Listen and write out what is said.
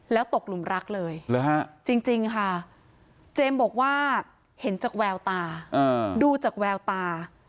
แล้วตกหลุมรักเลยจริงค่ะเจมส์บอกว่าเห็นจากแววตาดูจากแววตา